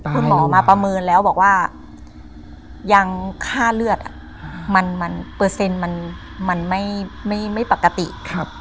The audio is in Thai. คุณหมอมาประเมินแล้วบอกว่ายังค่าเลือดมันเปอร์เซ็นต์มันไม่ปกติ